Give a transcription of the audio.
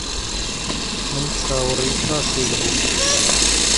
من چاوەڕێی پاسێک بووم.